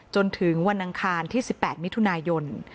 จนถึงวันอังคารที่๑๘มิถุนายน